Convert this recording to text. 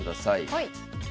はい。